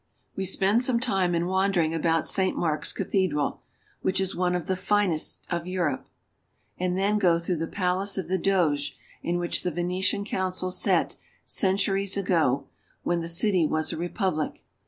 We spend some time in wandering about Saint Mark's cathedral, which is one of the finest of Europe ; and then go through the Palace of the Doges, in which the Venetian Council sat, centuries ago, when the city was a republic.